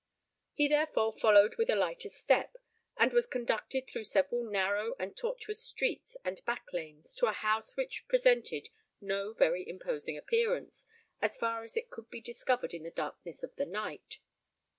He therefore followed with a lighter step, and was conducted through several narrow and tortuous streets and back lanes, to a house which presented no very imposing appearance, as far as it could be discovered in the darkness of the night.